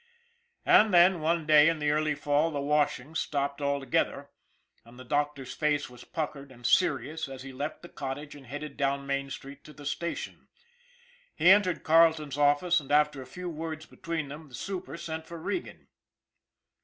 And then, one day in the early fall, the washing stopped altogether, and the doctor's face was puckered and serious as he left the cottage and headed down Main Street to the station. He entered Carleton's office and, after a few words between them, the super sent for Regan.